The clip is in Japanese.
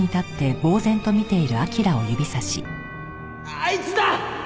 あいつだ！